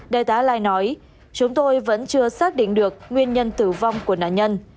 đại tá lai nói chúng tôi vẫn chưa xác định được nguyên nhân tử vong của nạn nhân